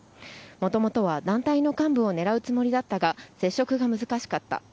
もともとは団体の幹部を狙うつもりだったが、接触が難しかった。